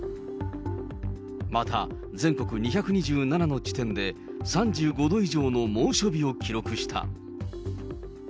また全国２２７の地点で、３５度以上の猛暑日を記録した。